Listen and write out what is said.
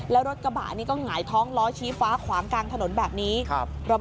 แล้วรถกระบะนี่ก็หงายท้องล้อชี้ฟ้าขวางกลางถนนแบบนี้ครับ